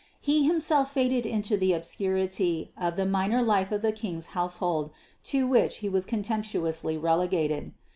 He himself faded into the obscurity of the minor life of the King's household to which he was contemptuously relegated.